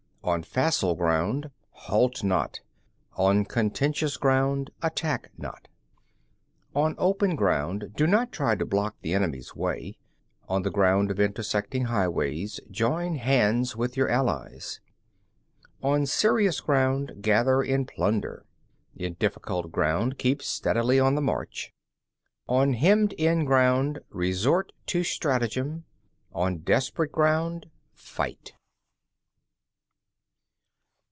On facile ground, halt not. On contentious ground, attack not. 12. On open ground, do not try to block the enemy's way. On ground of intersecting highways, join hands with your allies. 13. On serious ground, gather in plunder. In difficult ground, keep steadily on the march. 14. On hemmed in ground, resort to stratagem. On desperate ground, fight.